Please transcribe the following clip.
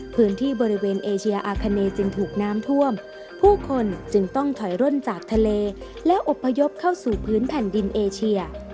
พื้นที่บริเวณเอเชียอาคาเนจึงถูกน้ำท่วมผู้คนจึงต้องถอยร่นจากทะเลแล้วอบพยพเข้าสู่พื้นแผ่นดินเอเชีย